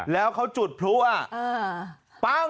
แล้วเขาจุดพล้วยอ่ะเออปาง